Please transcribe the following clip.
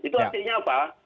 itu artinya apa